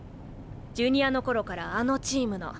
ジュニアの頃からあのチームの。